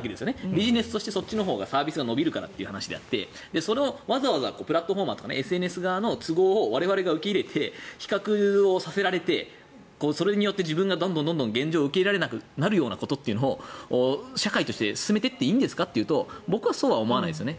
ビジネスとして、そのほうがサービスが伸びるからという話であってプラットフォーマーとかＳＮＳの都合を受け入れて比較させられてそれによって自分がどんどん現状を受け入れられなくなるようなことを社会として進めていっていいんですかというと僕はそうは思わないですよね。